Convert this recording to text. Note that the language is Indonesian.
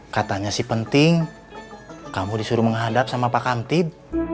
hanya sih penting kamu disuruh menghadap sama pak amtid